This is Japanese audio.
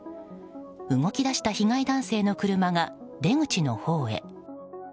動き出した被害男性の車が出口のほうへ。